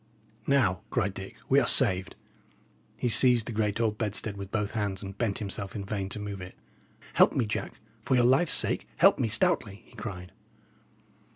"Now," cried Dick, "we are saved." He seized the great old bedstead with both hands, and bent himself in vain to move it. "Help me, Jack. For your life's sake, help me stoutly!" he cried.